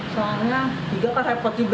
soalnya tiga kan repot juga